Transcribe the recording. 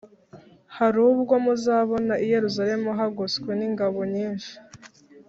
Harubwo muzabona i Yerusalemu hagoswe n’ingabo nyinshi